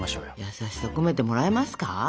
優しさ込めてもらえますか？